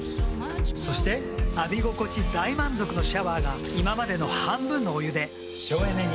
そして浴び心地大満足のシャワーが今までの半分のお湯で省エネに。